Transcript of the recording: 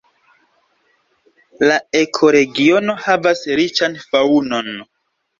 La ekoregiono havas riĉan faŭnon.